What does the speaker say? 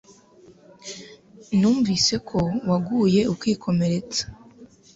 Numvise ko waguye ukikomeretsa